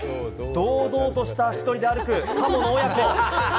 堂々とした足取りで歩くカモ親子。